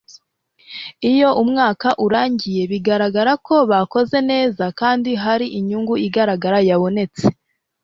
iyo umwaka urangiye bigaragara ko bakoze neza kandi hari inyungu igaragara yabonetse